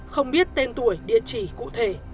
không biết tên tuổi địa chỉ cụ thể